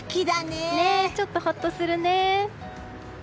ちょっとほっとするね。